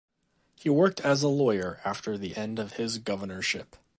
He worked as a lawyer after the end of his governorship.